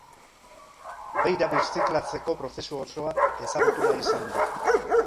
Beira birziklatzeko prozesu osoa ezagutu nahi izan dugu.